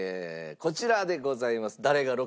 こちらでございます。